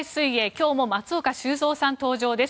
今日も松岡修造さん登場です。